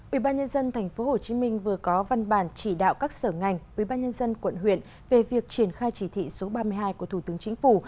ubnd tp hcm vừa có văn bản chỉ đạo các sở ngành ubnd quận huyện về việc triển khai chỉ thị số ba mươi hai của thủ tướng chính phủ